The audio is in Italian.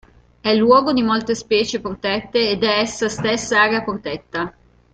È luogo di molte specie protette ed è essa stessa area protetta.